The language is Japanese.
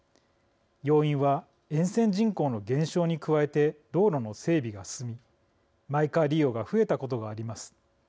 要因は、沿線人口の減少に加えて道路の整備が進みマイカー利用が増えたことがあります。